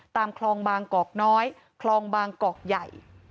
ตามคลองบางกอกน้อยคลองบางกอกใหญ่